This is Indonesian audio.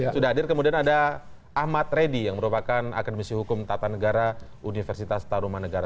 sudah hadir kemudian ada ahmad reddy yang merupakan akademisi hukum tata negara universitas taruman negara